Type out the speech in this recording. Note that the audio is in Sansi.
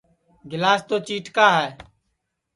گِلاس تو چِیٹکا ہے